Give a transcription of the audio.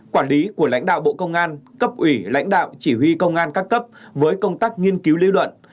quản lý của lãnh đạo bộ công an cấp ủy lãnh đạo chỉ huy công an các cấp với công tác nghiên cứu lý luận